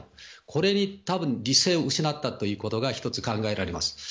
これに対して理性を失ったということが一つ考えられます。